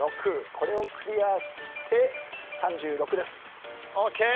これをクリアして３６です。